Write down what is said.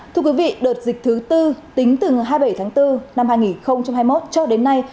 thưa quý vị đợt dịch thứ tư tính từ ngày hai mươi bảy tháng bốn năm hai nghìn hai mươi một cho đến nay